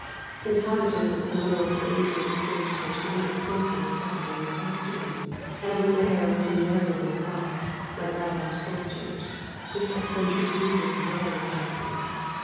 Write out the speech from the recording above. In times when it was the mode to imitate stage coachmen as closely as possible in costume, and when the hair was invariably cropped, like that of our soldiers, this eccentricity was very striking.